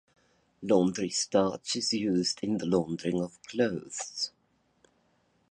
Laundry starch is used in the laundering of clothes.